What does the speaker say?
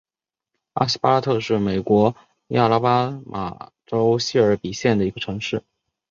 阿拉巴斯特是美国亚拉巴马州谢尔比县的一个城市。